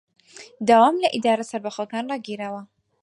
دەوام لە ئیدارە سەربەخۆکان ڕاگیراوە